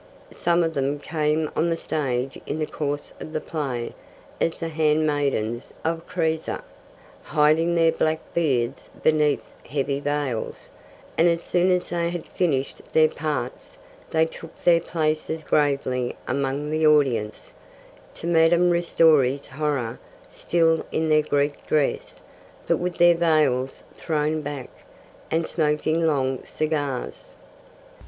Some of them came on the stage in the course of the play as the handmaidens of Creusa, hiding their black beards beneath heavy veils, and as soon as they had finished their parts they took their places gravely among the audience, to Madame Ristori's horror, still in their Greek dress, but with their veils thrown back, and smoking long cigars.